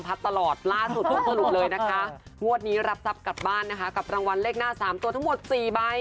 พร้อมรวบนี้รับทรัพย์กลับบ้านนะคะกับรางวัลเลขหน้า๓ตัวทั้งหมด๔ใบ